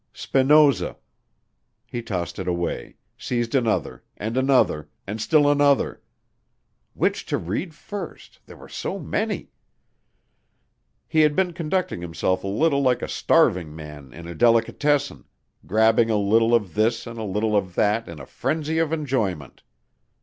Spinoza. He tossed it away, seized another, and another, and still another. Which to read first ... there were so many. He had been conducting himself a little like a starving man in a delicatessen grabbing a little of this and a little of that in a frenzy of enjoyment.